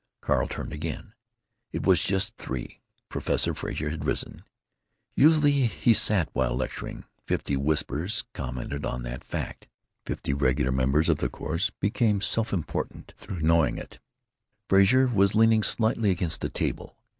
Carl turned again. It was just three. Professor Frazer had risen. Usually he sat while lecturing. Fifty whispers commented on that fact; fifty regular members of the course became self important through knowing it. Frazer was leaning slightly against the table.